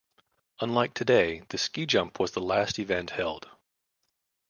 Unlike today the ski jump was the last event held.